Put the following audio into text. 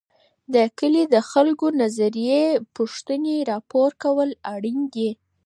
د کلي د خلګو نظري پوښتني راپور کول اړیني دي.